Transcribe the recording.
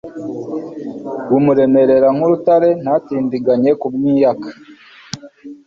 bumuremerera nk'urutare ntatindiganye kubwiyaka